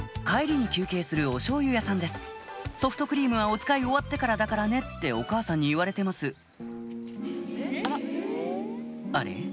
帰りに休憩するおしょうゆ屋さんです「ソフトクリームはおつかい終わってからだからね」ってお母さんに言われてますあれ？